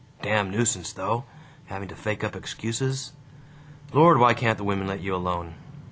Damn nuisance, though, having to fake up excuses. Lord, why can't the women let you alone?